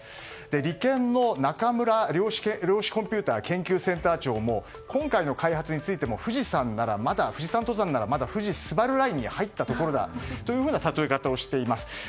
理研の中村泰信センター長も今回の開発についても富士山登山ならまだ富士スバルラインに入ったばかりという例え方をしています。